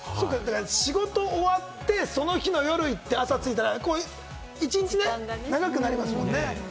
仕事終わって、その日の夜行って朝着いたら、一日長くなりますもんね。